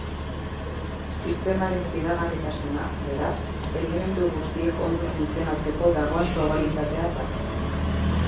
Sistemaren fidagarritasuna, beraz, elementu guztiek ondo funtzionatzeko dagoen probabilitatea da.